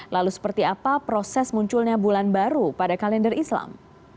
lalu seperti apa proses munculnya bulan baru pada kalender islam